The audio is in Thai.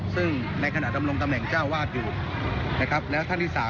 สำหรับตำแหน่งเจ้าอาวาส